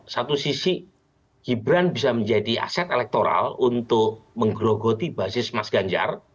satu sisi gibran bisa menjadi aset elektoral untuk menggerogoti basis mas ganjar